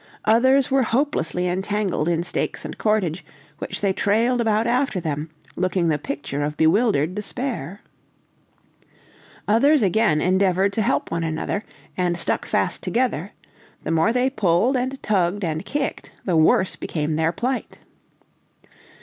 Others were hopelessly entangled in stakes and cordage, which they trailed about after them, looking the picture of bewildered despair. Others, again, endeavored to help one another, and stuck fast together; the more they pulled, and tugged, and kicked the worse became their plight.